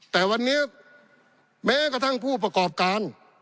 แต่วันนี้แม้กระทั่งผู้ประกอบการ